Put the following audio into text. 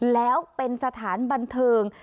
แล้วเป็นสถานบันเทิง